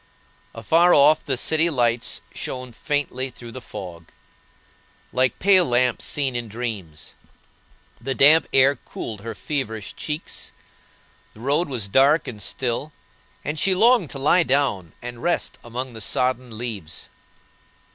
Afar off the city lights shone faintly through the fog, like pale lamps seen in dreams; the damp air cooled her feverish cheeks; the road was dark and still, and she longed to lie down and rest among the sodden leaves.